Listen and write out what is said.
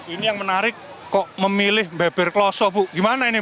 ini yang menarik kok memilih beber klosok bu gimana ini bu